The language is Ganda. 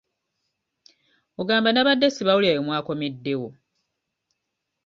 Ogamba nnabadde sibawulira we mwakomeddewo?